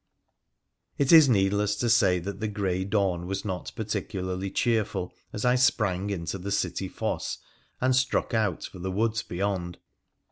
It is needless to say the grey dawn was not particularly cheerful as I sprang into the city fosse and struck out for the woods beyond.